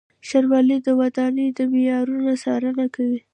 ښاروالۍ د ودانیو د معیارونو څارنه کوي.